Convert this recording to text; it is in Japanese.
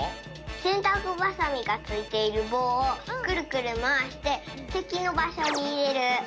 せんたくバサミがついているぼうをくるくるまわしててきのばしょにいれる！